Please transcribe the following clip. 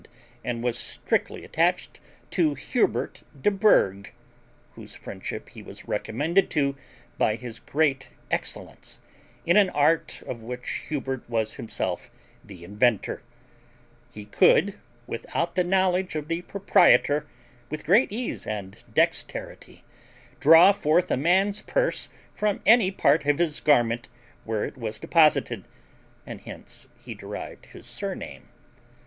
and was strictly attached to Hubert de Burgh, whose friendship he was recommended to by his great excellence in an art of which Hubert was himself the inventor; he could, without the knowledge of the proprietor, with great ease and dexterity, draw forth a man's purse from any part of his garment where it was deposited, and hence he derived his surname.